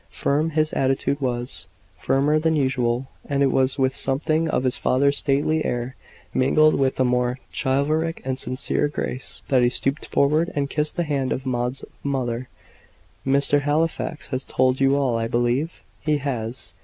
Firm his attitude was, firmer than usual; and it was with something of his father's stately air, mingled with a more chivalric and sincerer grace, that he stooped forward and kissed the hand of Maud's mother. "Mr. Halifax has told you all, I believe?" "He has."